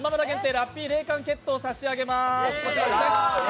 ラッピー冷感ケットを差し上げます。